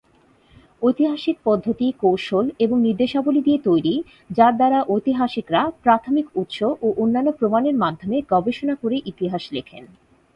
ঐতিহাসিক পদ্ধতি, কৌশল এবং নির্দেশাবলী দিয়ে তৈরি যার দ্বারা ঐতিহাসিকরা প্রাথমিক উৎস ও অন্যান্য প্রমাণের মাধ্যমে গবেষণা করে ইতিহাস লেখেন।